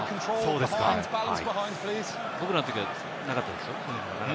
僕らのときはなかったですよ。